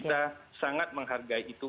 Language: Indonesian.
kita sangat menghargai itu